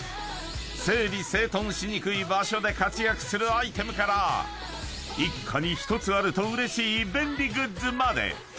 ［整理整頓しにくい場所で活躍するアイテムから一家に１つあるとうれしい便利グッズまで］